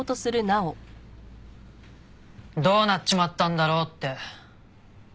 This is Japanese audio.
どうなっちまったんだろうって。